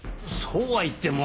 そうは言っても。